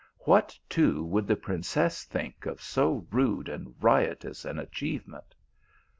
What, too, would the princess think of so rude and riotous an achievement?